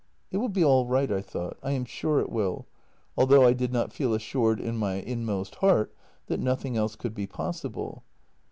It will be all right, I thought — I am sure it will — although I did not feel assured in my inmost heart that nothing else could be possible.